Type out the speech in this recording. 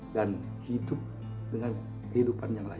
dan hidup dengan kehidupan yang layak